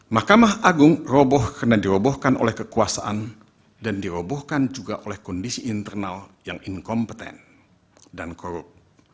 mahkamah agung roboh karena dirobohkan oleh kekuasaan dan dirobohkan juga oleh kondisi internal yang inkompeten dan korup